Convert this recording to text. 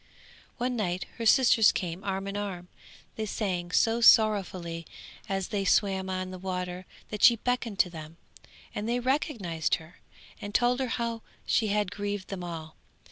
One night her sisters came arm in arm; they sang so sorrowfully as they swam on the water that she beckoned to them, and they recognised her, and told her how she had grieved them all.